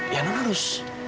ya non harus